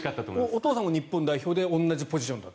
お父さんも日本代表で同じポジションと。